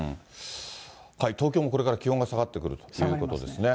東京もこれから気温が下がってくるということですね。